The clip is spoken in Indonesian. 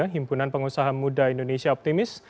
himpunan pengusaha muda indonesia optimis